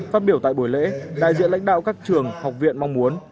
phát biểu tại buổi lễ đại diện lãnh đạo các trường học viện mong muốn